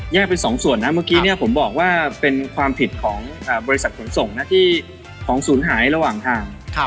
เป็นสองส่วนนะเมื่อกี้เนี่ยผมบอกว่าเป็นความผิดของบริษัทขนส่งนะที่ของศูนย์หายระหว่างทาง